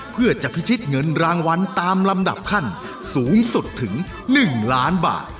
เพื่อจะพิชิตเงินรางวัลตามลำดับขั้นสูงสุดถึง๑ล้านบาท